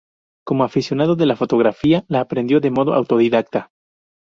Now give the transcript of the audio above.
Como aficionado a la fotografía la aprendió de modo autodidacta.